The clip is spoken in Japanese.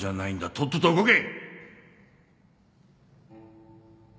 とっとと動け！